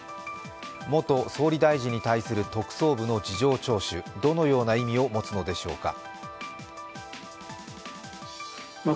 元総理大臣に対する特捜部の事情聴取、どのような意味を持つのでしょうか。